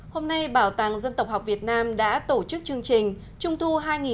hôm nay bảo tàng dân tộc học việt nam đã tổ chức chương trình trung thu hai nghìn hai mươi